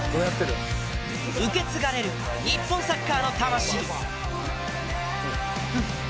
受け継がれる日本サッカーの魂。